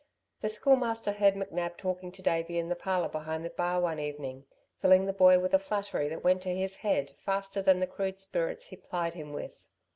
The Schoolmaster heard McNab talking to Davey in the parlour behind the bar one evening, filling the boy with a flattery that went to his head faster than the crude spirits he plied him with.